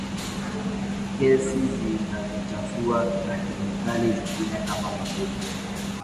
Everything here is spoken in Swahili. gesi zinazochafua na kemikali zingine kama mafuta